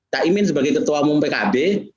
kak imin sebagai ketua umum pkb